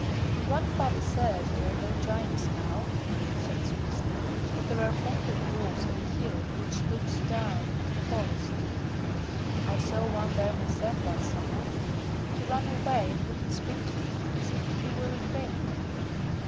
"Grandfather says there are no Giants now," Rudolph said seriously, "but there are plenty of Dwarfs in the hill which looks down on the forest. I saw one there myself last summer; he ran away and wouldn't speak to me, as if he were afraid."